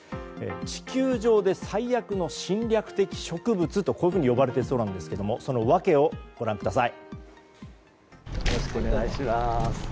地球上で最悪の侵略的植物と呼ばれているそうですがその訳をご覧ください。